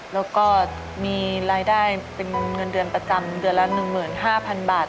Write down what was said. แล้วก็มีรายได้เป็นเงินเดือนประจำเดือนละ๑๕๐๐๐บาท